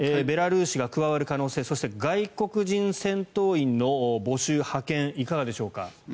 ベラルーシが加わる可能性そして、外国人戦闘員の募集、派遣いかがでしょうか。